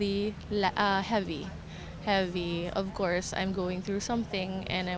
tentu saja saya melalui sesuatu dan saya ingin mengembangkan hal hal